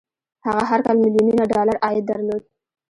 هغه هر کال ميليونونه ډالر عايد درلود.